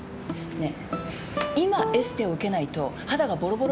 ねえ。